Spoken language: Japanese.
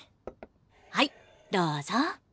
はいどうぞ。